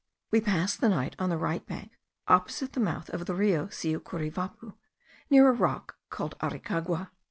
We passed the night on the right bank opposite the mouth of the Rio Siucurivapu, near a rock called Aricagua.